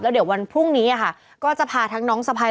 เดี๋ยววันพรุ่งนี้ค่ะก็จะพาทั้งน้องสะพาย